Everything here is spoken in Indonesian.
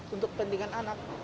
untuk kepentingan anak